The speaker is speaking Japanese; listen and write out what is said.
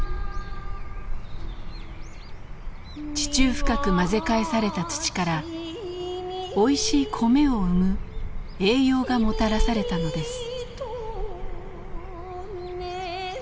地中深く混ぜ返された土からおいしい米を生む栄養がもたらされたのです。